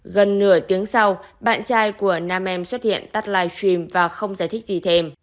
gần nửa tiếng sau bạn trai của nam em xuất hiện tắt livestream và không giải thích gì thêm